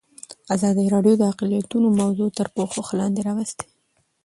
ازادي راډیو د اقلیتونه موضوع تر پوښښ لاندې راوستې.